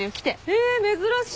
へぇ珍しい。